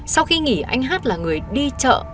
sau khi nghỉ anh hát là người đi chợ